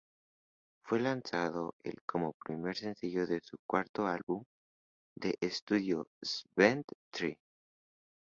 Fue lanzado el como primer sencillo de su cuarto álbum de estudio Seventh Tree.